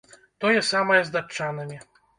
Тое самае з датчанамі.